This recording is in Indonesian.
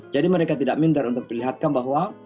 jadi mereka tidak minder untuk perlihatkan bahwa